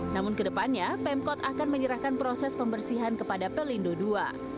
namun kedepannya pemkot akan menyerahkan proses pembersihan kepada pelindo ii